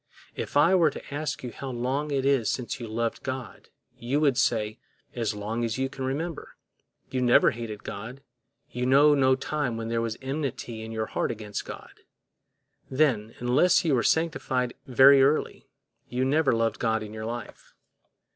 If I were to ask you how long it is since you loved God, you would say, As long as you can remember; you never hated God, you know no time when there was enmity in your heart against God. Then, unless you were sanctified very early, you never loved God in your life.